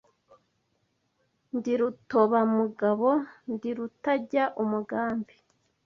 Ndi Rutobamugabo ndi rutajya umugambi